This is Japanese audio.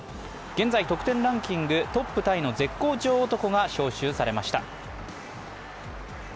現在、得点ランキングトップタイの絶好調男が招集されました。